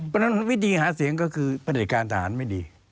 เพราะฉะนั้นวิธีหาเสียงก็คือประเด็จการทหารไม่ดี